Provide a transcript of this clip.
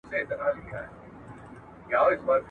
او د خلکو ټول ژوندون په توکل وو `